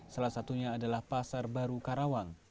salah satunya adalah pasar baru karawang